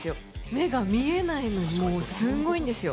目が見えないのにもうすごいんですよ